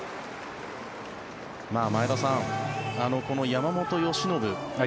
前田さん、この山本由伸